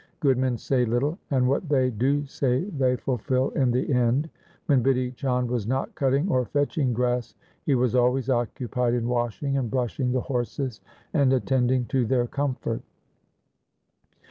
Good men say little, and what they do say they fulfil in the end.' When Bidhi Chand was not cutting or fetching grass, he was always occupied in washing and brushing the horses and attending to their comfort.